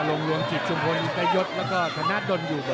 ลงรวมจิตสุงคลอยู่ใกล้ยศแล้วก็ขนาดดนอยู่เบิร์น